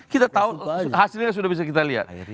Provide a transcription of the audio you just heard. kita tahu hasilnya sudah bisa kita lihat